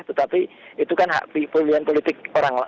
tetapi itu kan hak pilihan politik orang